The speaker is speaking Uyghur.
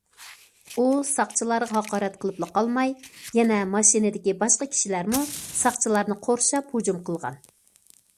ئۇ ساقچىلارغا ھاقارەت قىلىپلا قالماي، يەنە ماشىنىدىكى باشقا كىشىلەرمۇ ساقچىلارنى قورشاپ ھۇجۇم قىلغان.